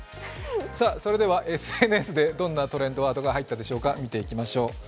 それではＳＮＳでどんなトレンドワードが入ったか見てみましょう。